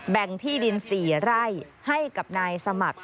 แบ่งที่ดิน๔ไร่ให้กับนายสมัคร